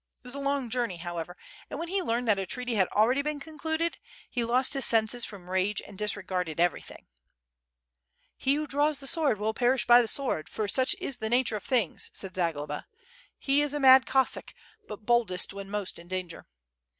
It was a long journey, however, and when he learned that a treaty had already been concluded, he lost his senses from rage and disregarded ever}' thing." "He who draM's the sword will perish by the sword, for such is the nature of things," said Zagloba, "he is a mad Cossack, but boldest when most in danger.